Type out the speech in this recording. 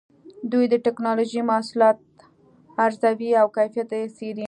دوی د ټېکنالوجۍ محصولات ارزوي او کیفیت یې څېړي.